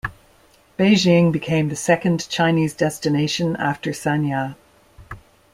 Beijing became the second Chinese destination after Sanya.